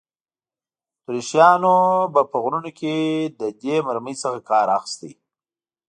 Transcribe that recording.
اتریشیانو به په غرونو کې له دې مرمۍ څخه کار اخیست.